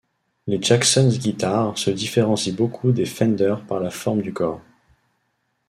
Les Jackson Guitars se différencient beaucoup des Fender par la forme du corps.